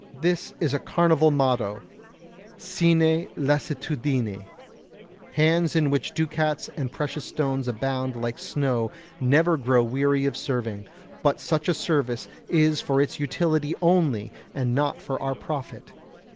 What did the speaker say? This is a carnival motto: "Sine lassitudine." Hands in which ducats and precious stones abound like snow never grow weary of serving, but such a service is for its utility only and not for our profit.